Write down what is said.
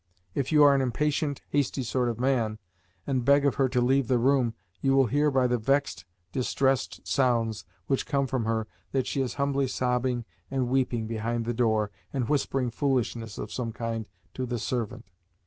If you are an impatient, hasty sort of man, and beg of her to leave the room, you will hear by the vexed, distressed sounds which come from her that she is humbly sobbing and weeping behind the door, and whispering foolishness of some kind to the servant.